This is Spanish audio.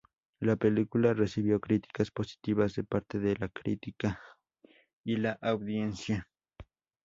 La película recibió críticas positivas de parte de la crítica y la audiencia.